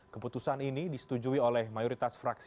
keputusan ini disetujui oleh mayoritas fraksi